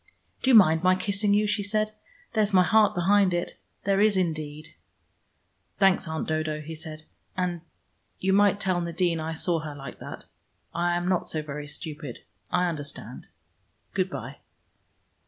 "Do you mind my kissing you?" she said. "There's my heart behind it. There is, indeed." "Thanks, Aunt Dodo," he said. "And and you might tell Nadine I saw her like that. I am not so very stupid. I understand: good by."